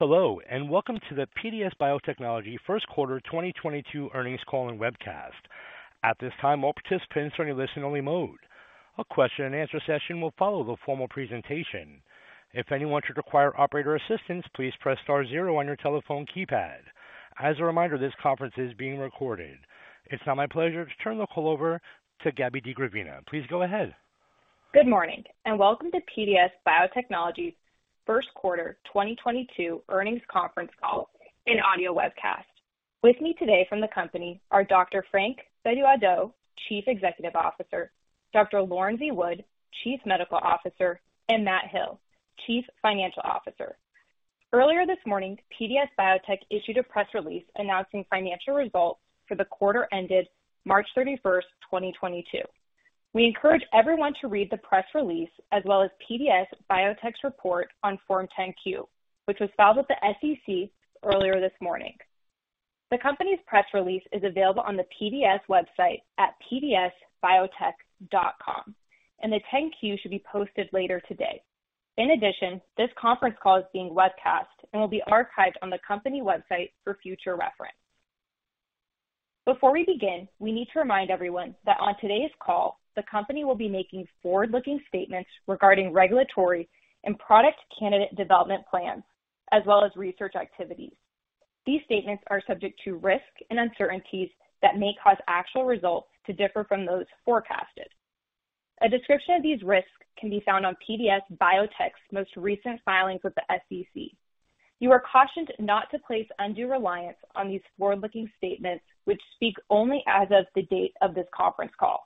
Hello, and welcome to the PDS Biotechnology first quarter 2022 earnings call and webcast. At this time, all participants are in a listen-only mode. A question-and-answer session will follow the formal presentation. If anyone should require operator assistance, please press star zero on your telephone keypad. As a reminder, this conference is being recorded. It's now my pleasure to turn the call over to Gabrielle DeGravina. Please go ahead. Good morning, and welcome to PDS Biotechnology's first quarter 2022 earnings conference call and audio webcast. With me today from the company are Dr. Frank Bedu-Addo, Chief Executive Officer, Dr. Lauren V. Wood, Chief Medical Officer, and Matt Hill, Chief Financial Officer. Earlier this morning, PDS Biotech issued a press release announcing financial results for the quarter ended March 31st, 2022. We encourage everyone to read the press release as well as PDS Biotech's report on Form 10-Q, which was filed with the SEC earlier this morning. The company's press release is available on the PDS website at pdsbiotech.com, and the 10-Q should be posted later today. In addition, this conference call is being webcast and will be archived on the company website for future reference. Before we begin, we need to remind everyone that on today's call, the company will be making forward-looking statements regarding regulatory and product candidate development plans, as well as research activities. These statements are subject to risks and uncertainties that may cause actual results to differ from those forecasted. A description of these risks can be found on PDS Biotech's most recent filings with the SEC. You are cautioned not to place undue reliance on these forward-looking statements, which speak only as of the date of this conference call.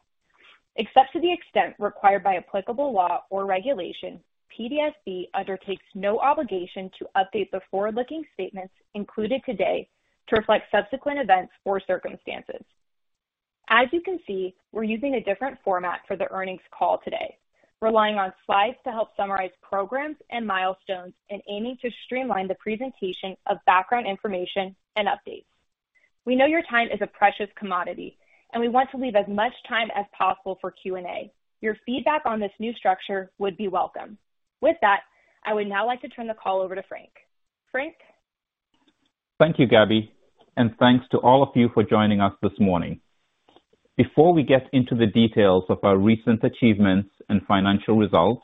Except to the extent required by applicable law or regulation, PDSB undertakes no obligation to update the forward-looking statements included today to reflect subsequent events or circumstances. As you can see, we're using a different format for the earnings call today, relying on slides to help summarize programs and milestones and aiming to streamline the presentation of background information and updates. We know your time is a precious commodity, and we want to leave as much time as possible for Q&A. Your feedback on this new structure would be welcome. With that, I would now like to turn the call over to Frank. Frank. Thank you, Gabby, and thanks to all of you for joining us this morning. Before we get into the details of our recent achievements and financial results,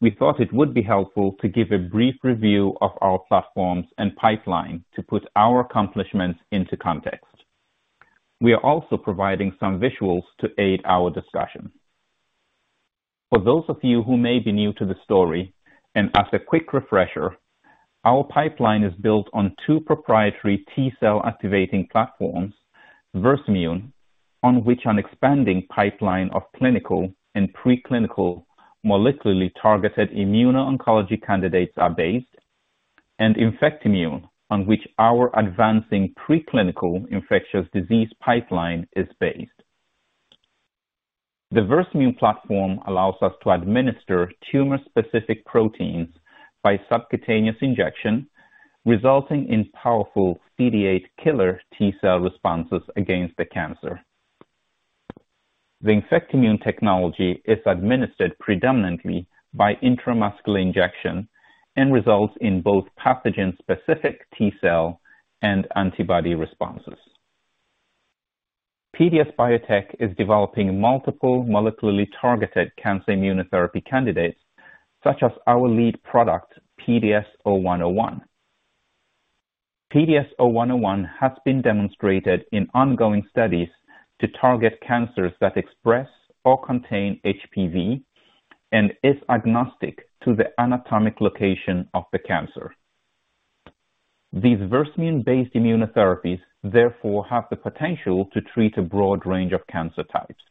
we thought it would be helpful to give a brief review of our platforms and pipeline to put our accomplishments into context. We are also providing some visuals to aid our discussion. For those of you who may be new to the story, and as a quick refresher, our pipeline is built on two proprietary T-cell activating platforms, Versamune, on which an expanding pipeline of clinical and pre-clinical molecularly targeted immuno-oncology candidates are based, and Infectimune, on which our advancing pre-clinical infectious disease pipeline is based. The Versamune platform allows us to administer tumor-specific proteins by subcutaneous injection, resulting in powerful CD8 killer T-cell responses against the cancer. The Infectimune technology is administered predominantly by intramuscular injection and results in both pathogen-specific T-cell and antibody responses. PDS Biotech is developing multiple molecularly targeted cancer immunotherapy candidates, such as our lead product, PDS0101. PDS0101 has been demonstrated in ongoing studies to target cancers that express or contain HPV and is agnostic to the anatomic location of the cancer. These Versamune-based immunotherapies, therefore, have the potential to treat a broad range of cancer types.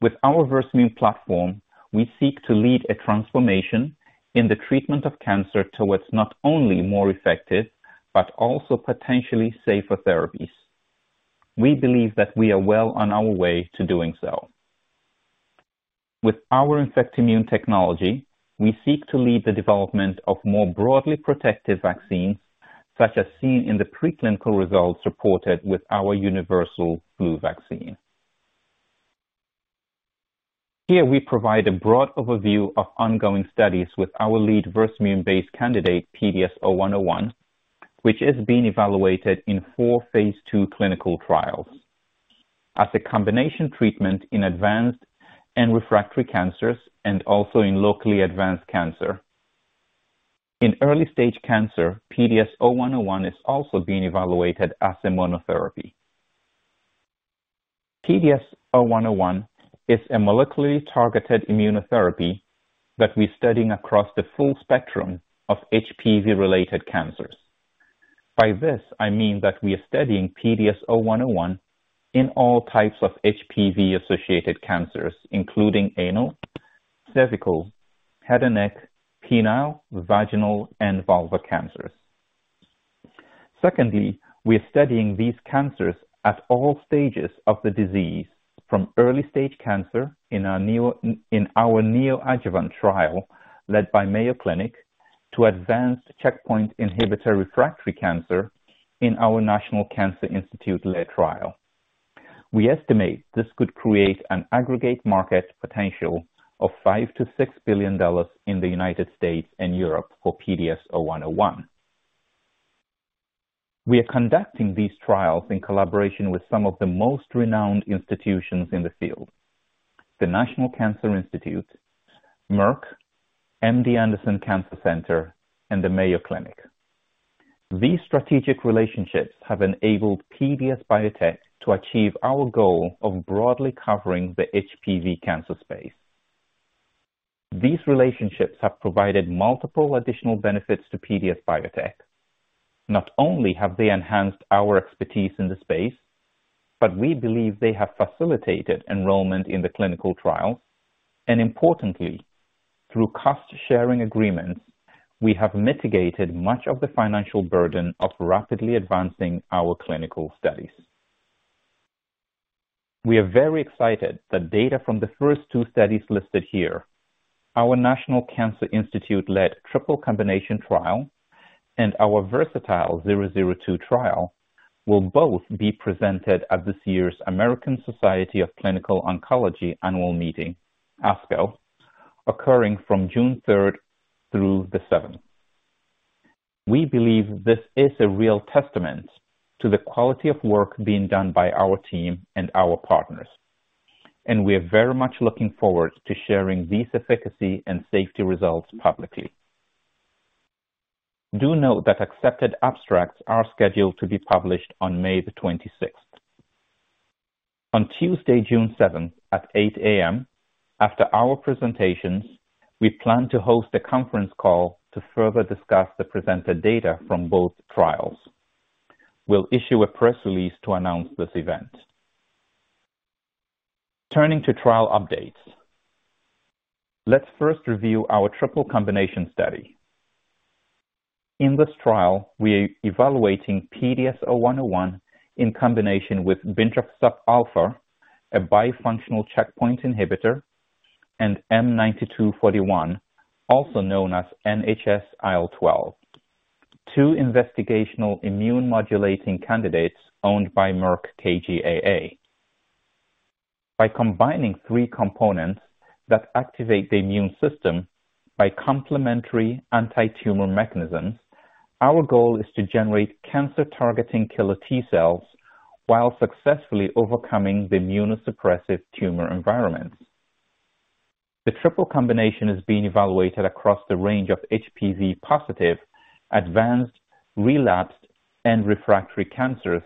With our Versamune platform, we seek to lead a transformation in the treatment of cancer towards not only more effective, but also potentially safer therapies. We believe that we are well on our way to doing so. With our Infectimune technology, we seek to lead the development of more broadly protective vaccines, such as seen in the pre-clinical results reported with our universal flu vaccine. Here we provide a broad overview of ongoing studies with our lead Versamune-based candidate, PDS0101, which is being evaluated in four phase II clinical trials as a combination treatment in advanced and refractory cancers, and also in locally advanced cancer. In early-stage cancer, PDS0101 is also being evaluated as a monotherapy. PDS0101 is a molecularly targeted immunotherapy that we're studying across the full spectrum of HPV-related cancers. By this, I mean that we are studying PDS0101 in all types of HPV-associated cancers, including anal, cervical, head and neck, penile, vaginal, and vulva cancers. Secondly, we are studying these cancers at all stages of the disease, from early-stage cancer in our neoadjuvant trial led by Mayo Clinic to advanced checkpoint inhibitor-refractory cancer in our National Cancer Institute-led trial. We estimate this could create an aggregate market potential of $5 billion-$6 billion in the United States and Europe for PDS0101. We are conducting these trials in collaboration with some of the most renowned institutions in the field, the National Cancer Institute, Merck, MD Anderson Cancer Center, and the Mayo Clinic. These strategic relationships have enabled PDS Biotech to achieve our goal of broadly covering the HPV cancer space. These relationships have provided multiple additional benefits to PDS Biotech. Not only have they enhanced our expertise in the space, but we believe they have facilitated enrollment in the clinical trial, and importantly, through cost-sharing agreements, we have mitigated much of the financial burden of rapidly advancing our clinical studies. We are very excited that data from the first two studies listed here, our National Cancer Institute-led triple combination trial and our VERSATILE-002 trial, will both be presented at this year's American Society of Clinical Oncology annual meeting, ASCO, occurring from June third through the seventh. We believe this is a real testament to the quality of work being done by our team and our partners, and we are very much looking forward to sharing these efficacy and safety results publicly. Do note that accepted abstracts are scheduled to be published on May 26th. On Tuesday, June 7th at 8:00 A.M., after our presentations, we plan to host a conference call to further discuss the presented data from both trials. We'll issue a press release to announce this event. Turning to trial updates. Let's first review our triple combination study. In this trial, we are evaluating PDS0101 in combination with bintrafusp alfa, a bifunctional checkpoint inhibitor, and M9241, also known as NHS-IL12, two investigational immune-modulating candidates owned by Merck KGaA. By combining three components that activate the immune system by complementary antitumor mechanisms, our goal is to generate cancer-targeting killer T cells while successfully overcoming the immunosuppressive tumor environments. The triple combination is being evaluated across the range of HPV-positive, advanced, relapsed, and refractory cancers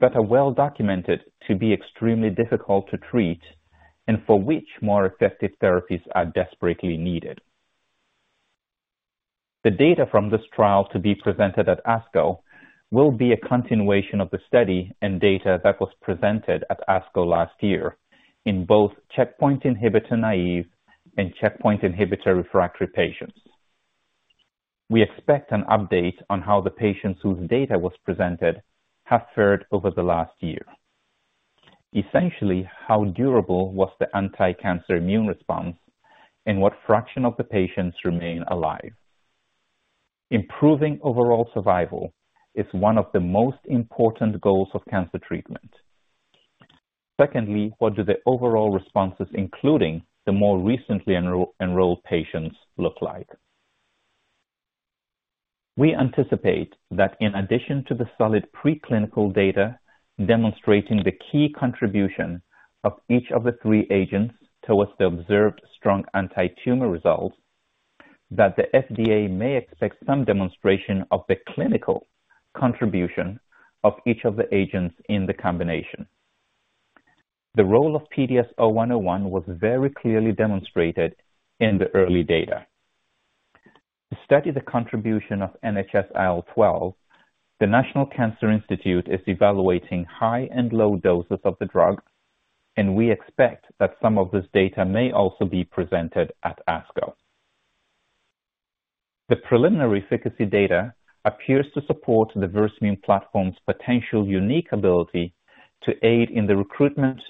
that are well documented to be extremely difficult to treat and for which more effective therapies are desperately needed. The data from this trial to be presented at ASCO will be a continuation of the study and data that was presented at ASCO last year in both checkpoint inhibitor-naive and checkpoint inhibitor-refractory patients. We expect an update on how the patients whose data was presented have fared over the last year. Essentially, how durable was the anticancer immune response, and what fraction of the patients remain alive? Improving overall survival is one of the most important goals of cancer treatment. Secondly, what do the overall responses, including the more recently enrolled patients, look like? We anticipate that in addition to the solid preclinical data demonstrating the key contribution of each of the three agents towards the observed strong antitumor results, that the FDA may expect some demonstration of the clinical contribution of each of the agents in the combination. The role of PDS0101 was very clearly demonstrated in the early data. To study the contribution of NHS-IL12, the National Cancer Institute is evaluating high and low doses of the drug, and we expect that some of this data may also be presented at ASCO. The preliminary efficacy data appears to support the Versamune platform's potential unique ability to aid in the recruitment,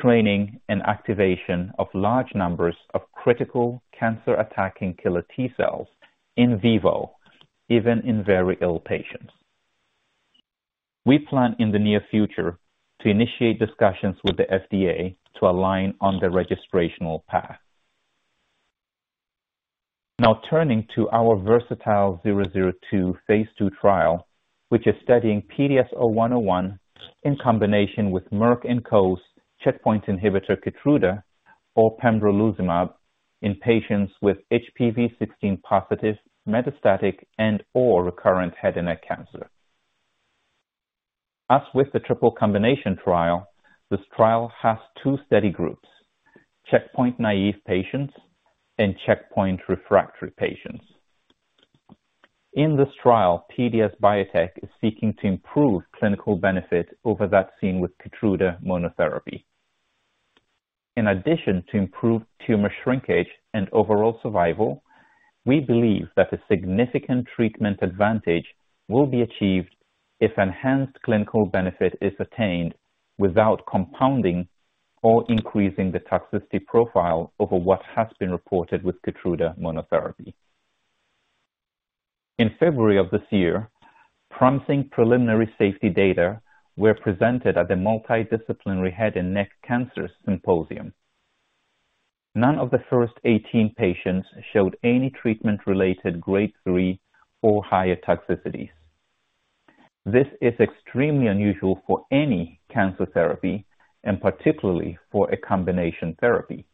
training, and activation of large numbers of critical cancer-attacking killer T cells in vivo, even in very ill patients. We plan in the near future to initiate discussions with the FDA to align on the registrational path. Now turning to our VERSATILE-002 phase II trial, which is studying PDS-0101 in combination with Merck & Co.'s checkpoint inhibitor Keytruda or pembrolizumab in patients with HPV16-positive metastatic and/or recurrent head and neck cancer. As with the triple combination trial, this trial has two study groups: checkpoint-naive patients and checkpoint-refractory patients. In this trial, PDS Biotech is seeking to improve clinical benefit over that seen with Keytruda monotherapy. In addition to improved tumor shrinkage and overall survival, we believe that a significant treatment advantage will be achieved if enhanced clinical benefit is attained without compounding or increasing the toxicity profile over what has been reported with Keytruda monotherapy. In February of this year, promising preliminary safety data were presented at the Multidisciplinary Head and Neck Cancers Symposium. None of the first 18 patients showed any treatment-related grade 3 or higher toxicities. This is extremely unusual for any cancer therapy and particularly for a combination therapy.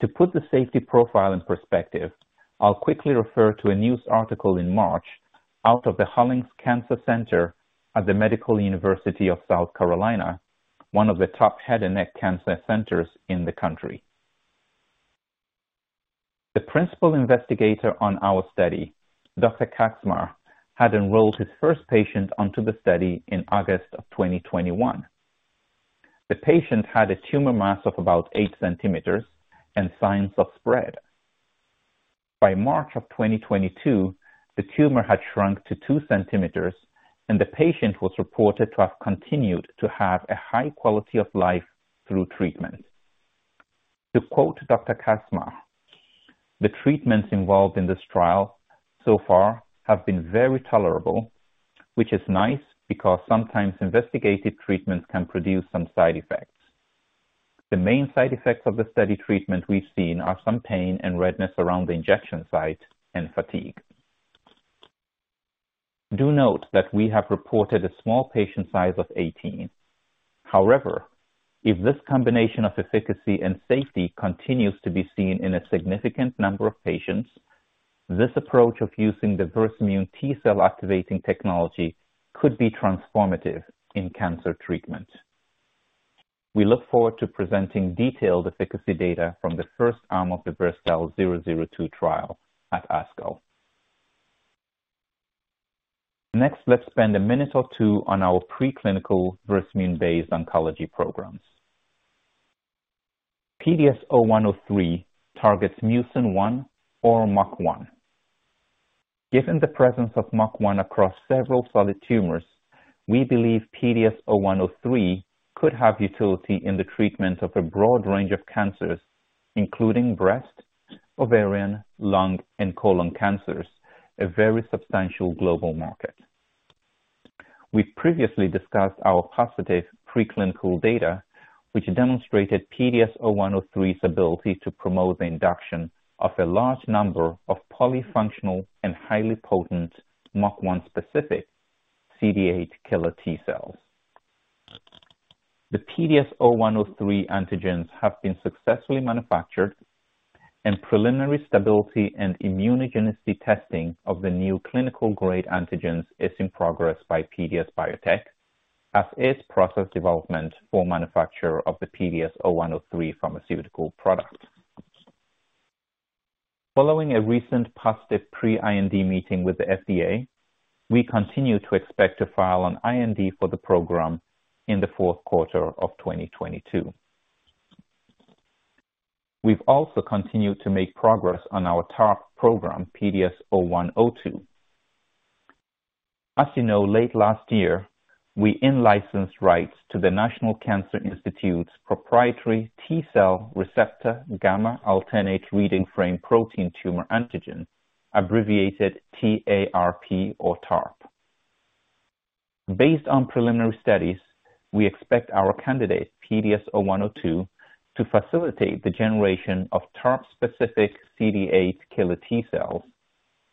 To put the safety profile in perspective, I'll quickly refer to a news article in March out of the Hollings Cancer Center at the Medical University of South Carolina, one of the top head and neck cancer centers in the country. The principal investigator on our study, Dr. Kaczmar, had enrolled his first patient onto the study in August 2021. The patient had a tumor mass of about 8 cm and signs of spread. By March 2022, the tumor had shrunk to 2 cm, and the patient was reported to have continued to have a high quality of life through treatment. To quote Dr. Kaczmar, "The treatments involved in this trial so far have been very tolerable, which is nice because sometimes investigative treatments can produce some side effects. The main side effects of the study treatment we've seen are some pain and redness around the injection site and fatigue. Do note that we have reported a small patient size of 18. However, if this combination of efficacy and safety continues to be seen in a significant number of patients, this approach of using the Versamune T cell activating technology could be transformative in cancer treatment. We look forward to presenting detailed efficacy data from the first arm of the VERSATILE-002 trial at ASCO. Next, let's spend a minute or two on our preclinical Versamune-based oncology programs. PDS0103 targets mucin 1 or MUC1. Given the presence of MUC1 across several solid tumors, we believe PDS0103 could have utility in the treatment of a broad range of cancers, including breast, ovarian, lung, and colon cancers, a very substantial global market. We previously discussed our positive preclinical data, which demonstrated PDS0103's ability to promote the induction of a large number of polyfunctional and highly potent MUC1-specific CD8 killer T cells. The PDS0103 antigens have been successfully manufactured, and preliminary stability and immunogenicity testing of the new clinical-grade antigens is in progress by PDS Biotech, as is process development for manufacture of the PDS0103 pharmaceutical product. Following a recent positive pre-IND meeting with the FDA, we continue to expect to file an IND for the program in the fourth quarter of 2022. We've also continued to make progress on our TARP program, PDS0102. As you know, late last year, we in-licensed rights to the National Cancer Institute's proprietary T cell receptor gamma alternate reading frame protein tumor antigen, abbreviated T-A-R-P or TARP. Based on preliminary studies, we expect our candidate, PDS0102, to facilitate the generation of TARP-specific CD8 killer T cells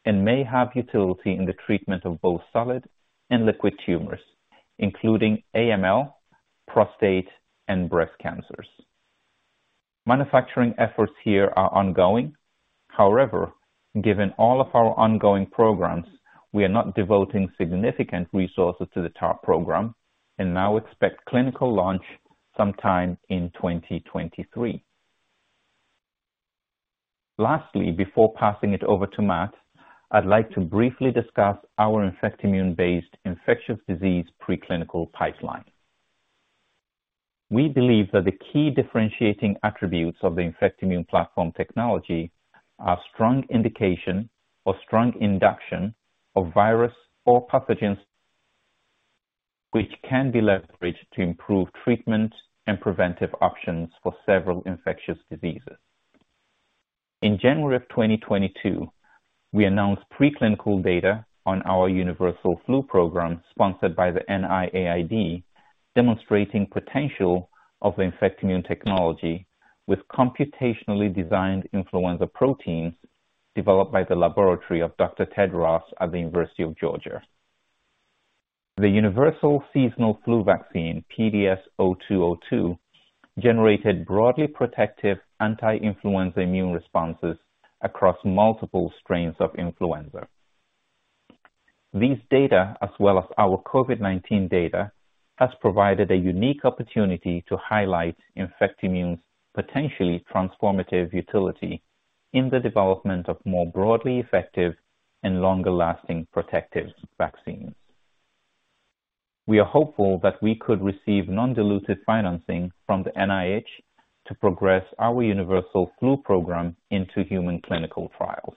and may have utility in the treatment of both solid and liquid tumors, including AML, prostate, and breast cancers. Manufacturing efforts here are ongoing. However, given all of our ongoing programs, we are not devoting significant resources to the TARP program and now expect clinical launch sometime in 2023. Lastly, before passing it over to Matt, I'd like to briefly discuss our Infectimune-based infectious disease preclinical pipeline. We believe that the key differentiating attributes of the Infectimune platform technology are strong indication or strong induction of virus or pathogens, which can be leveraged to improve treatment and preventive options for several infectious diseases. In January 2022, we announced preclinical data on our universal flu program sponsored by the NIAID, demonstrating potential of the Infectimune technology with computationally designed influenza proteins developed by the laboratory of Dr. Ted Ross at the University of Georgia. The universal seasonal flu vaccine, PDS0202, generated broadly protective anti-influenza immune responses across multiple strains of influenza. These data, as well as our COVID-19 data, has provided a unique opportunity to highlight Infectimune's potentially transformative utility in the development of more broadly effective and longer-lasting protective vaccines. We are hopeful that we could receive non-diluted financing from the NIH to progress our universal flu program into human clinical trials.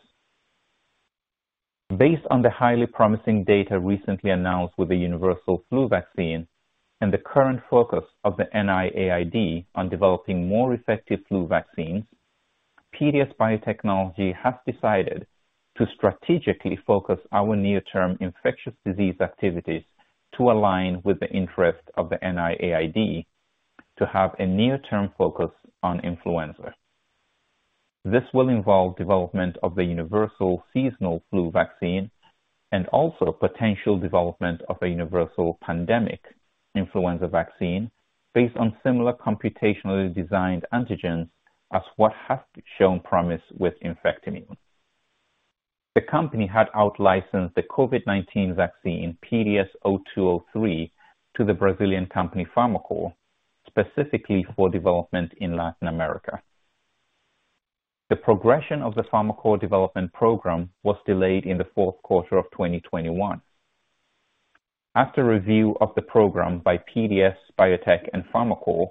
Based on the highly promising data recently announced with the universal flu vaccine and the current focus of the NIAID on developing more effective flu vaccines, PDS Biotechnology has decided to strategically focus our near-term infectious disease activities to align with the interest of the NIAID to have a near-term focus on influenza. This will involve development of the universal seasonal flu vaccine and also potential development of a universal pandemic influenza vaccine based on similar computationally designed antigens as what has shown promise with Infectimune. The company had out licensed the COVID-19 vaccine, PDS0203, to the Brazilian company, Farmacore, specifically for development in Latin America. The progression of the Farmacore development program was delayed in the fourth quarter of 2021. After review of the program by PDS Biotech and Farmacore,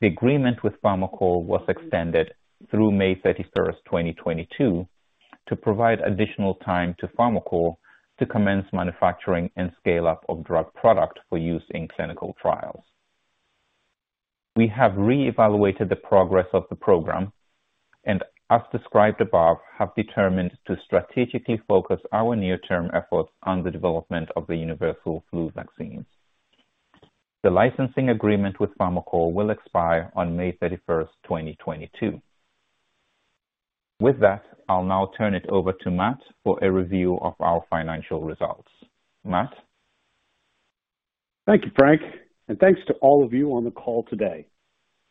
the agreement with Farmacore was extended through May 31st, 2022, to provide additional time to Farmacore to commence manufacturing and scale up of drug product for use in clinical trials. We have reevaluated the progress of the program and, as described above, have determined to strategically focus our near-term efforts on the development of the universal flu vaccine. The licensing agreement with Farmacore will expire on May 31st, 2022. With that, I'll now turn it over to Matt for a review of our financial results. Matt? Thank you, Frank, and thanks to all of you on the call today.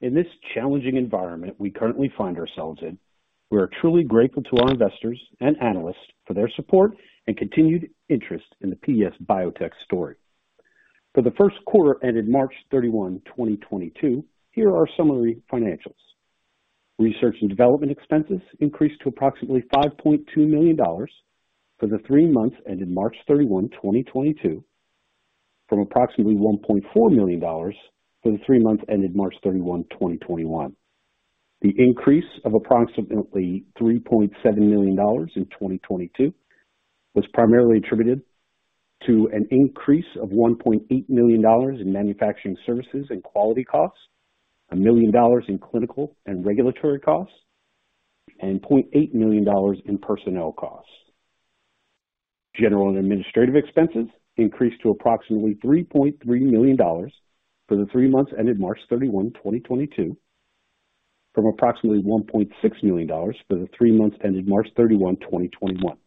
In this challenging environment we currently find ourselves in, we are truly grateful to our investors and analysts for their support and continued interest in the PDS Biotech story. For the first quarter ended March 31, 2022, here are summary financials. Research and development expenses increased to approximately $5.2 million for the three months ended March 31, 2022, from approximately $1.4 million for the three months ended March 31, 2021. The increase of approximately $3.7 million in 2022 was primarily attributed to an increase of $1.8 million in manufacturing services and quality costs, $1 million in clinical and regulatory costs, and $0.8 million in personnel costs. General and administrative expenses increased to approximately $3.3 million for the three months ended March 31, 2022, from approximately $1.6 million for the three months ended March 31, 2021.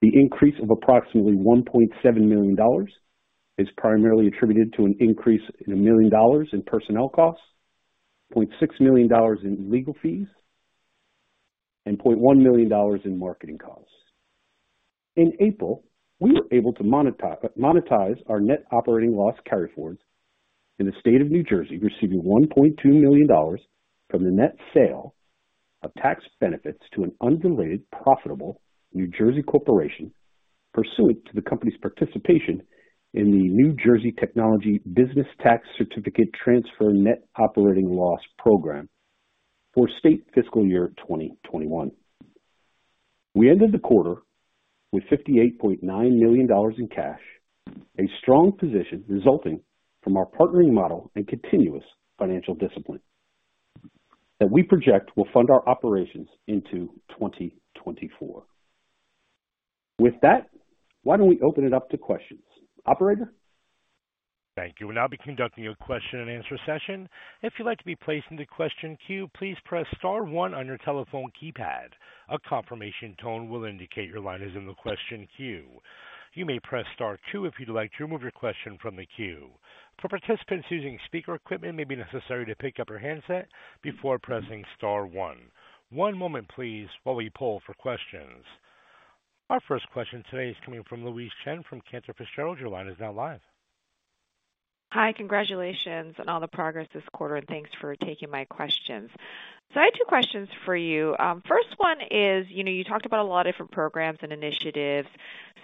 The increase of approximately $1.7 million is primarily attributed to an increase of $1 million in personnel costs, $0.6 million in legal fees, and $0.1 million in marketing costs. In April, we were able to monetize our net operating loss carryforwards in the state of New Jersey, receiving $1.2 million from the net sale of tax benefits to an unrelated, profitable New Jersey corporation pursuant to the company's participation in the New Jersey Technology Business Tax Certificate Transfer Program for state fiscal year 2021. We ended the quarter with $58.9 million in cash, a strong position resulting from our partnering model and continuous financial discipline that we project will fund our operations into 2024. With that, why don't we open it up to questions? Operator? Thank you. We'll now be conducting a question-and-answer session. If you'd like to be placed into question queue, please press star one on your telephone keypad. A confirmation tone will indicate your line is in the question queue. You may press star two if you'd like to remove your question from the queue. For participants using speaker equipment, it may be necessary to pick up your handset before pressing star one. One moment please while we poll for questions. Our first question today is coming from Louise Chen from Cantor Fitzgerald. Your line is now live. Hi. Congratulations on all the progress this quarter, and thanks for taking my questions. I have two questions for you. First one is, you know, you talked about a lot of different programs and initiatives.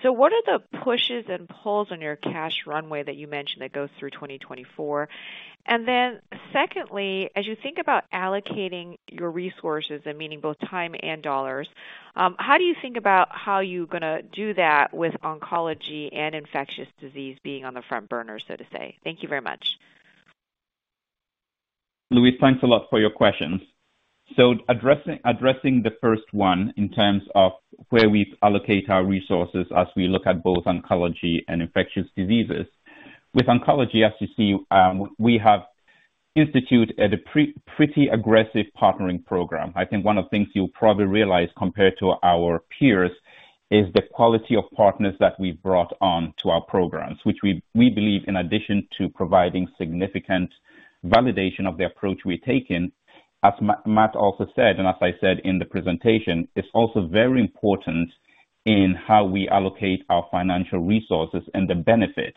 What are the pushes and pulls on your cash runway that you mentioned that goes through 2024? Secondly, as you think about allocating your resources and meaning both time and dollars, how do you think about how you're gonna do that with oncology and infectious disease being on the front burner, so to say? Thank you very much. Louise, thanks a lot for your questions. Addressing the first one in terms of where we allocate our resources as we look at both oncology and infectious diseases. With oncology, as you see, we have initiated a pretty aggressive partnering program. I think one of the things you'll probably realize compared to our peers is the quality of partners that we've brought on to our programs, which we believe in addition to providing significant validation of the approach we're taking. As Matt also said, and as I said in the presentation, it's also very important in how we allocate our financial resources and the benefit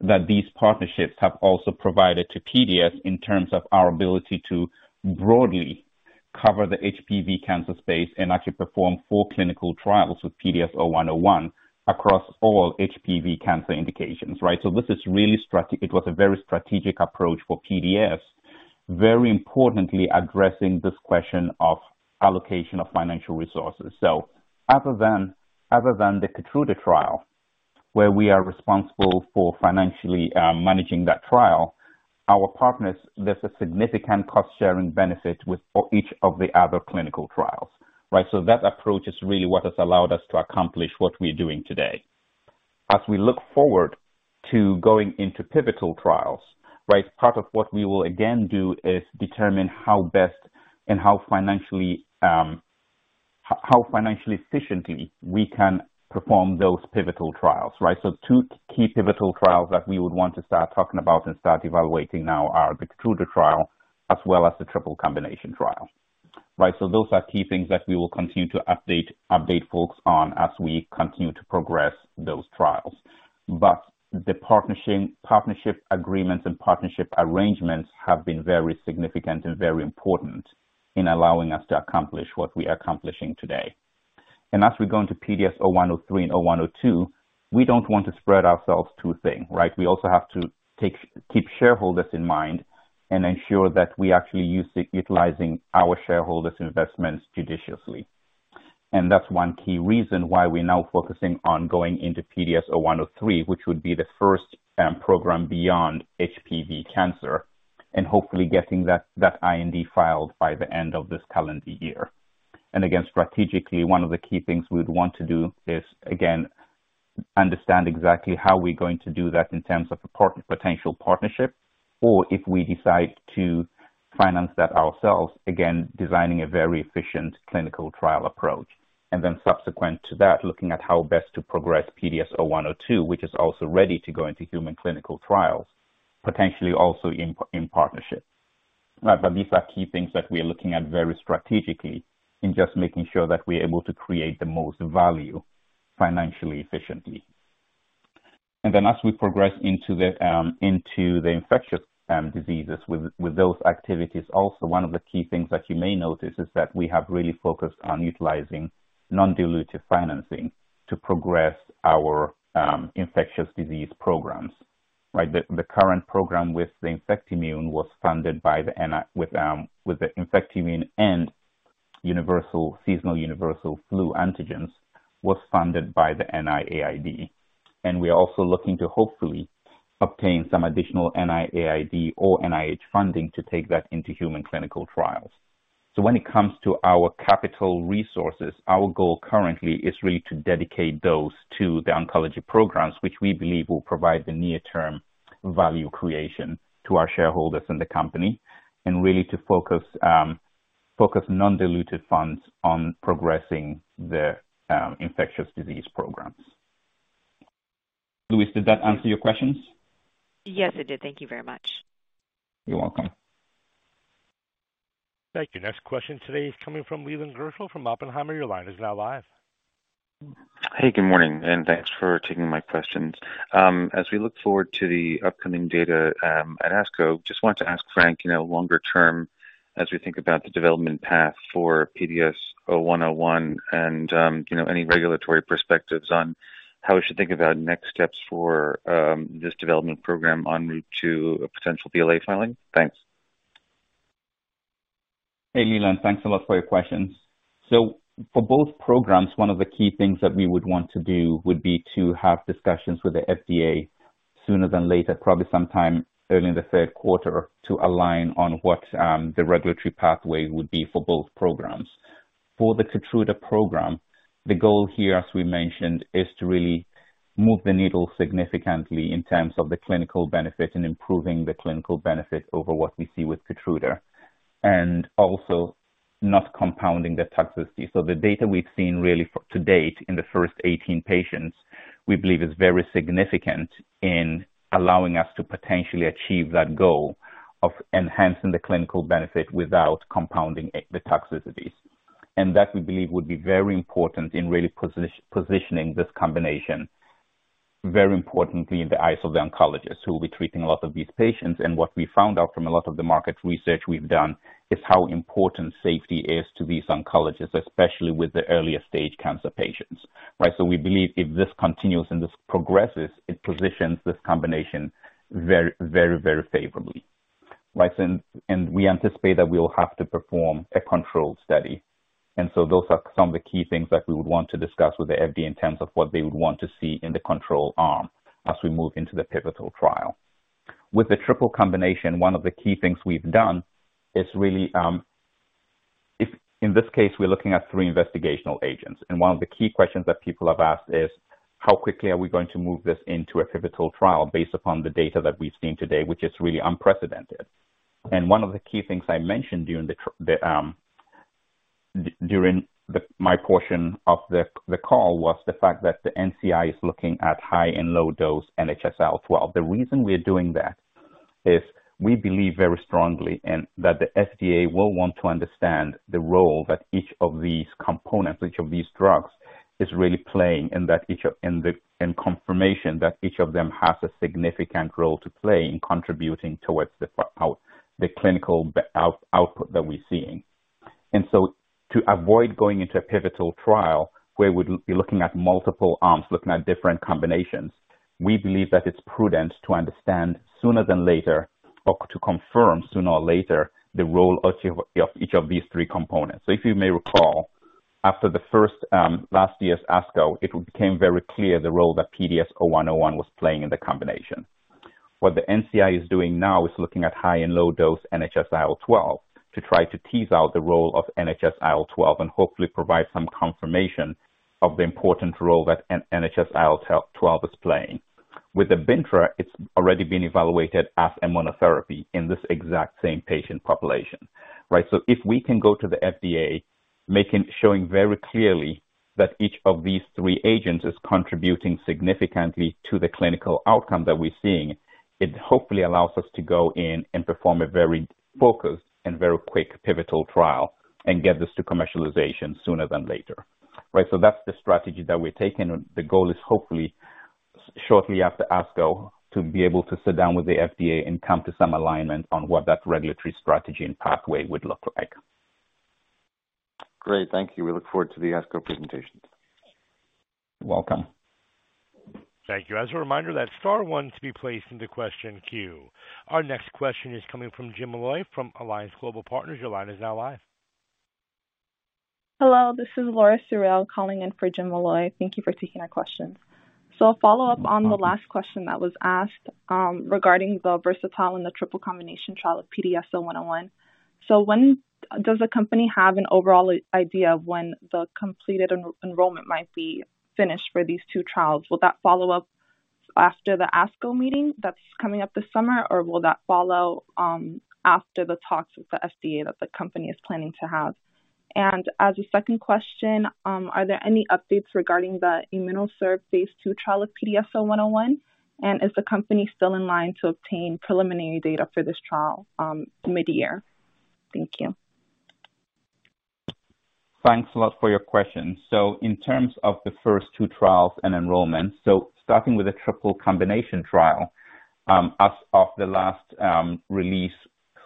that these partnerships have also provided to PDS in terms of our ability to broadly cover the HPV cancer space and actually perform four clinical trials with PDS0101 across all HPV cancer indications, right? This is really strategic. It was a very strategic approach for PDS. Very importantly, addressing this question of allocation of financial resources. Other than the Keytruda trial, where we are responsible for financially managing that trial, our partners, there's a significant cost-sharing benefit with for each of the other clinical trials, right? That approach is really what has allowed us to accomplish what we're doing today. As we look forward to going into pivotal trials, right, part of what we will again do is determine how best and how financially efficiently we can perform those pivotal trials, right? Two key pivotal trials that we would want to start talking about and start evaluating now are the Keytruda trial, as well as the triple combination trial. Right. Those are key things that we will continue to update folks on as we continue to progress those trials. The partnership agreements and partnership arrangements have been very significant and very important in allowing us to accomplish what we are accomplishing today. As we go into PDS0103 and PDS0102, we don't want to spread ourselves too thin, right? We also have to keep shareholders in mind and ensure that we actually utilizing our shareholders' investments judiciously. That's one key reason why we're now focusing on going into PDS0103, which would be the first program beyond HPV cancer, and hopefully getting that IND filed by the end of this calendar year. Again, strategically, one of the key things we'd want to do is, again, understand exactly how we're going to do that in terms of a potential partnership, or if we decide to finance that ourselves, again, designing a very efficient clinical trial approach. Subsequent to that, looking at how best to progress PDS0102, which is also ready to go into human clinical trials, potentially also in partnership. These are key things that we are looking at very strategically in just making sure that we're able to create the most value financially efficiently. As we progress into the infectious diseases with those activities, also one of the key things that you may notice is that we have really focused on utilizing non-dilutive financing to progress our infectious disease programs. Right. The current program with the Infectimune and seasonal universal flu antigens was funded by the NIAID. We are also looking to hopefully obtain some additional NIAID or NIH funding to take that into human clinical trials. When it comes to our capital resources, our goal currently is really to dedicate those to the oncology programs, which we believe will provide the near-term value creation to our shareholders and the company, and really to focus non-diluted funds on progressing the infectious disease programs. Louise, did that answer your questions? Yes, it did. Thank you very much. You're welcome. Thank you. Next question today is coming from Leland Gershell from Oppenheimer. Your line is now live. Hey, good morning, and thanks for taking my questions. As we look forward to the upcoming data at ASCO, just wanted to ask Frank, you know, longer term as we think about the development path for PDS0101 and, you know, any regulatory perspectives on how we should think about next steps for this development program en route to a potential BLA filing? Thanks. Hey, Leland. Thanks a lot for your questions. For both programs, one of the key things that we would want to do would be to have discussions with the FDA sooner than later, probably sometime early in the third quarter, to align on what the regulatory pathway would be for both programs. For the Keytruda program, the goal here, as we mentioned, is to really move the needle significantly in terms of the clinical benefit and improving the clinical benefit over what we see with Keytruda, and also not compounding the toxicity. The data we've seen really, to date in the first 18 patients, we believe is very significant in allowing us to potentially achieve that goal of enhancing the clinical benefit without compounding the toxicities. That we believe would be very important in really positioning this combination, very importantly in the eyes of the oncologists who will be treating a lot of these patients. What we found out from a lot of the market research we've done is how important safety is to these oncologists, especially with the earlier stage cancer patients, right? We believe if this continues and this progresses, it positions this combination very, very, very favorably, right? We anticipate that we will have to perform a controlled study. Those are some of the key things that we would want to discuss with the FDA in terms of what they would want to see in the control arm as we move into the pivotal trial. With the triple combination, one of the key things we've done is really, in this case, we're looking at three investigational agents, and one of the key questions that people have asked is, how quickly are we going to move this into a pivotal trial based upon the data that we've seen today, which is really unprecedented. One of the key things I mentioned during my portion of the call was the fact that the NCI is looking at high and low dose NHS-IL12. The reason we're doing that is we believe very strongly that the FDA will want to understand the role that each of these components, each of these drugs is really playing, and confirmation that each of them has a significant role to play in contributing towards the clinical output that we're seeing. To avoid going into a pivotal trial where we'd be looking at multiple arms, looking at different combinations, we believe that it's prudent to understand sooner than later, or to confirm sooner or later, the role of each of these three components. If you may recall, after last year's ASCO, it became very clear the role that PDS0101 was playing in the combination. What the NCI is doing now is looking at high and low dose NHS-IL12 to try to tease out the role of NHS-IL12 and hopefully provide some confirmation of the important role that NHS-IL12 is playing. With bintrafusp alfa, it's already been evaluated as monotherapy in this exact same patient population, right? If we can go to the FDA showing very clearly that each of these three agents is contributing significantly to the clinical outcome that we're seeing, it hopefully allows us to go in and perform a very focused and very quick pivotal trial and get this to commercialization sooner than later. Right. That's the strategy that we're taking. The goal is hopefully shortly after ASCO to be able to sit down with the FDA and come to some alignment on what that regulatory strategy and pathway would look like. Great. Thank you. We look forward to the ASCO presentations. You're welcome. Thank you. As a reminder, that's star one to be placed into question queue. Our next question is coming from Jim Molloy from Alliance Global Partners. Your line is now live. Hello, this is Laura Suriel calling in for Jim Molloy. Thank you for taking our questions. A follow-up on the last question that was asked, regarding the VERSATILE in the triple combination trial of PDS0101. When does the company have an overall idea of when the completed enrollment might be finished for these two trials? Will that follow up after the ASCO meeting that's coming up this summer, or will that follow after the talks with the FDA that the company is planning to have? As a second question, are there any updates regarding the IMMUNOCERV phase II trial of PDS0101? Is the company still in line to obtain preliminary data for this trial mid-year? Thank you. Thanks a lot for your question. In terms of the first two trials and enrollments, starting with the triple combination trial, as of the last release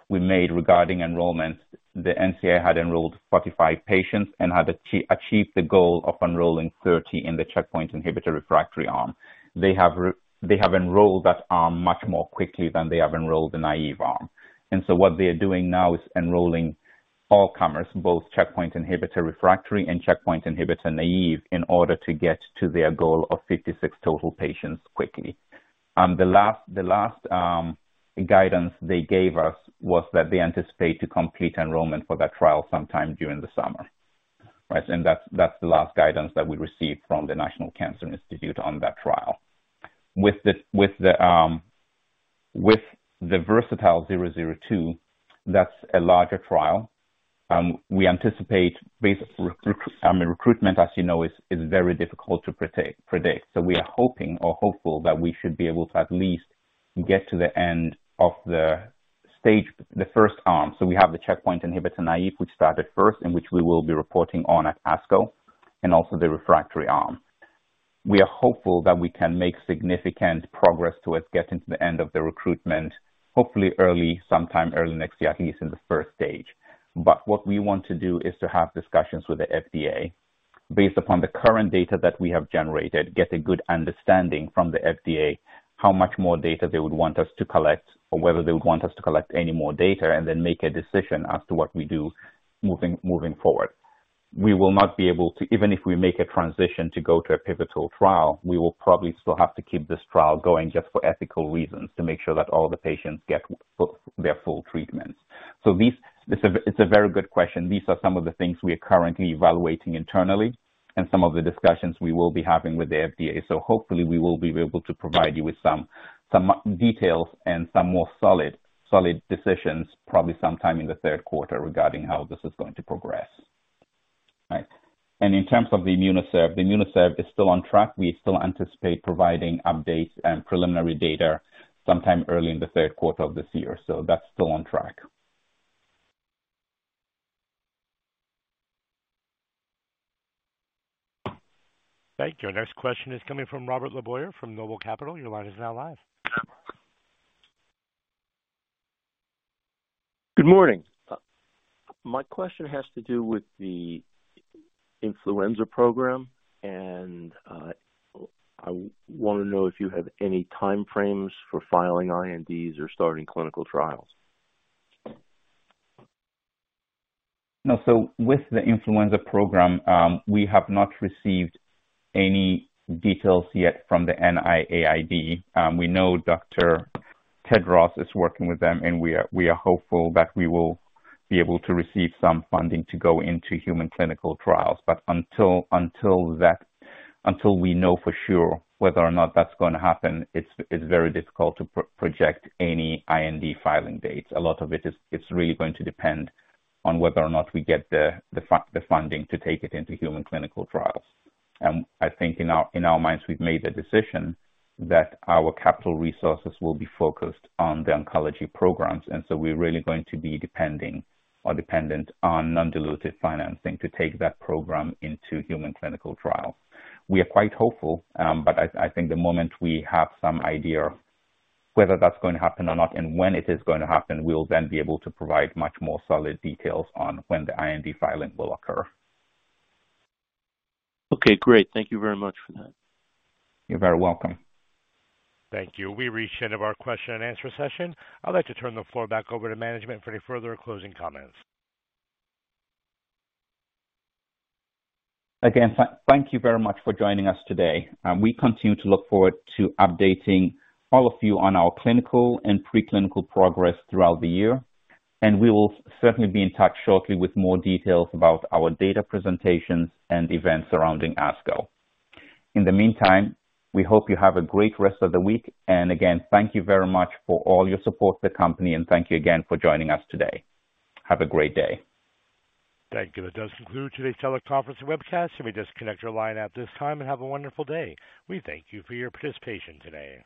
we made regarding enrollments, the NCI had enrolled 45 patients and had achieved the goal of enrolling 30 in the checkpoint inhibitor refractory arm. They have enrolled that arm much more quickly than they have enrolled the naive arm. What they are doing now is enrolling all comers, both checkpoint inhibitor refractory and checkpoint inhibitor naive, in order to get to their goal of 56 total patients quickly. The last guidance they gave us was that they anticipate to complete enrollment for that trial sometime during the summer. Right. That's the last guidance that we received from the National Cancer Institute on that trial. With the VERSATILE-002, that's a larger trial, we anticipate, based on recruitment, as you know, is very difficult to predict. We are hoping or hopeful that we should be able to at least get to the end of the stage, the first arm. We have the checkpoint inhibitor naive, which started first, and which we will be reporting on at ASCO and also the refractory arm. We are hopeful that we can make significant progress towards getting to the end of the recruitment, hopefully early, sometime early next year, at least in the first stage. What we want to do is to have discussions with the FDA based upon the current data that we have generated, get a good understanding from the FDA, how much more data they would want us to collect or whether they would want us to collect any more data, and then make a decision as to what we do moving forward. Even if we make a transition to go to a pivotal trial, we will probably still have to keep this trial going just for ethical reasons, to make sure that all the patients get their full treatments. It's a very good question. These are some of the things we are currently evaluating internally and some of the discussions we will be having with the FDA. Hopefully we will be able to provide you with some details and some more solid decisions probably sometime in the third quarter regarding how this is going to progress. Right. In terms of the IMMUNOCERV, the IMMUNOCERV is still on track. We still anticipate providing updates and preliminary data sometime early in the third quarter of this year. That's still on track. Thank you. Next question is coming from Robert LeBoyer from Noble Capital. Your line is now live. Good morning. My question has to do with the influenza program, and I wanna know if you have any time frames for filing INDs or starting clinical trials. No. With the influenza program, we have not received any details yet from the NIAID. We know Dr. Ted Ross is working with them, and we are hopeful that we will be able to receive some funding to go into human clinical trials. Until we know for sure whether or not that's gonna happen, it's very difficult to project any IND filing dates. A lot of it it's really going to depend on whether or not we get the funding to take it into human clinical trials. I think in our minds we've made the decision that our capital resources will be focused on the oncology programs. We're really going to be depending or dependent on undiluted financing to take that program into human clinical trials. We are quite hopeful, but I think the moment we have some idea whether that's going to happen or not and when it is going to happen, we'll then be able to provide much more solid details on when the IND filing will occur. Okay, great. Thank you very much for that. You're very welcome. Thank you. We reached the end of our question-and-answer session. I'd like to turn the floor back over to management for any further closing comments. Again, thank you very much for joining us today. We continue to look forward to updating all of you on our clinical and preclinical progress throughout the year. We will certainly be in touch shortly with more details about our data presentations and events surrounding ASCO. In the meantime, we hope you have a great rest of the week. Again, thank you very much for all your support to the company, and thank you again for joining us today. Have a great day. Thank you. That does conclude today's teleconference and webcast. You may disconnect your line at this time and have a wonderful day. We thank you for your participation today.